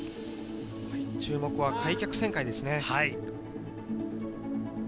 注目は開脚旋回ですね。